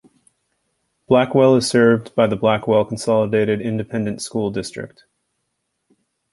Blackwell is served by the Blackwell Consolidated Independent School District.